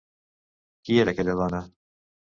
Qui era aquella dona?